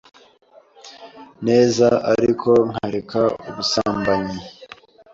neza ariko nkareka ubusambanyi